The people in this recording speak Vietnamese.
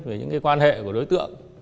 về những quan hệ của đối tượng